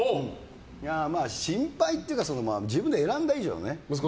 心配というか自分で選んだ以上ね。